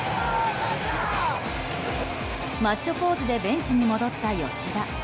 マッチョポーズでベンチに戻った吉田。